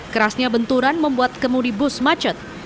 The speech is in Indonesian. kerasnya benturan membuat kemudi bus macet